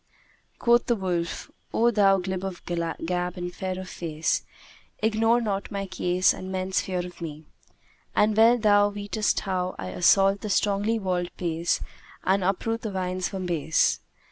Quoth the wolf, "O thou glib of gab and fair of face, ignore not my case and men's fear of me; and well thou weetest how I assault the strongly walled place and uproot the vines from base.